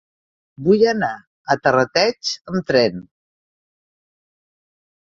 Vull anar a Terrateig amb tren.